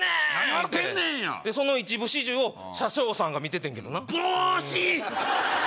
何笑うてんねんやその一部始終を車掌さんが見ててんけどな帽子！